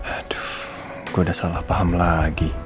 aduh gue udah salah paham lagi